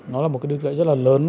nó là một đứt gãy rất là lớn